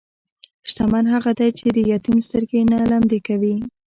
شتمن هغه دی چې د یتیم سترګې نه لمدې کوي.